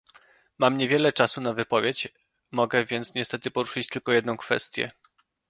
Mam niewiele czasu na wypowiedź, mogę więc niestety poruszyć tylko jedną kwestię